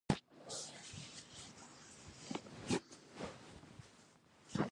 نړۍ د یوې زینې په شان ده چې یو پرې پورته کېږي.